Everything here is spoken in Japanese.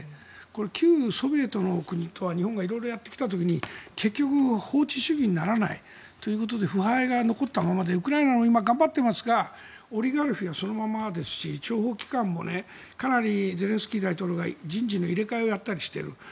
旧ソビエトの国とは日本が色々やってきた時に結局、法治主義にならないということで腐敗が残ったままでウクライナも今、頑張ってますがオリガルヒはそのままですし諜報機関も、かなりゼレンスキー大統領が人事の入れ替えをやったりしている。